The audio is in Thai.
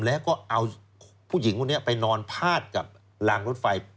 แล้วก็เอาผู้หญิงคนนี้ไปนอนพาดกับรางรถไฟ